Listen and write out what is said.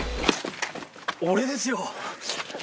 俺ですよ。